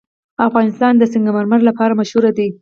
افغانستان د سنگ مرمر لپاره مشهور دی.